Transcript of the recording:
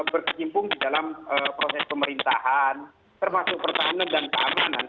berkecimpung di dalam proses pemerintahan termasuk pertahanan dan keamanan